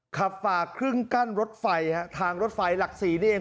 ขับฝ่าครึ่งกั้นรถไฟทางรถไฟหลักสี่นี่เอง